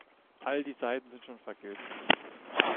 All die Seiten sind schon vergilbt.